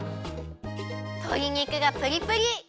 とり肉がプリプリ！